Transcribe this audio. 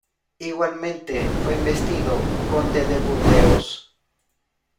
Igualmente, fue investido Conde de Burdeos.